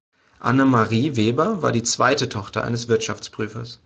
Annemarie Weber war die zweite Tochter eines Wirtschaftsprüfers.